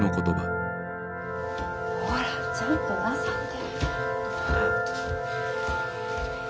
ほらちゃんとなさって。